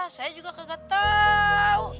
saya juga kagak tau